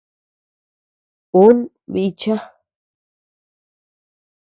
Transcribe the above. Un bícha.